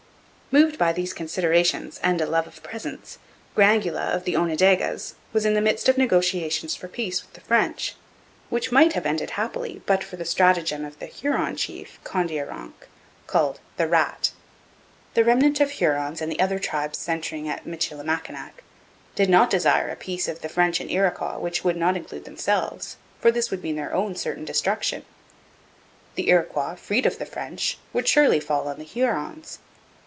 Moved by these considerations and a love of presents, Grangula, of the Onondagas, was in the midst of negotiations for peace with the French, which might have ended happily but for the stratagem of the Huron chief Kondiaronk, called 'The Rat.' The remnant of Hurons and the other tribes centring at Michilimackinac did not desire a peace of the French and Iroquois which would not include themselves, for this would mean their own certain destruction. The Iroquois, freed of the French, would surely fall on the Hurons.